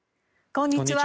こんにちは。